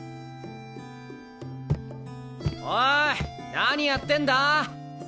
おい何やってんだ！